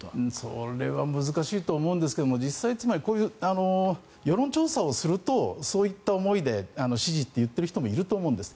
それは難しいと思うんですが実際、つまりこういう世論調査をするとそういった思いで支持と言っている人もいると思うんです。